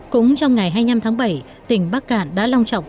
cũng trong ngày hai mươi năm tháng bảy tỉnh bắc cạn đã long trọng